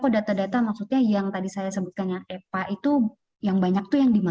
di bilis itu juga banyak